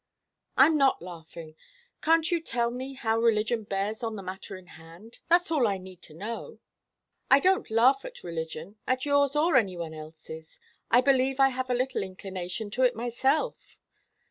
"I'm not laughing. Can't you tell me how religion bears on the matter in hand? That's all I need to know. I don't laugh at religion at yours or any one else's. I believe I have a little inclination to it myself."